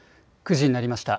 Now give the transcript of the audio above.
９時になりました。